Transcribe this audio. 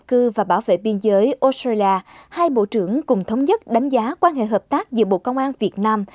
các bộ trưởng cùng thống nhất đánh giá quan hệ hợp tác giữa bộ công an việt nam